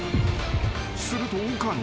［すると岡野。